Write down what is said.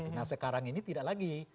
nah sekarang ini tidak lagi